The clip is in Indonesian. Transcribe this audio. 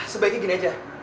sebaiknya gini aja